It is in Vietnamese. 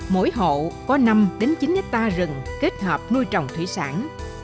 mỗi hộ có năm đến chín gia ta rừng kết hợp nuôi trồng thủy sản